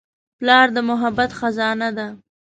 پلار د محبت خزانه ده.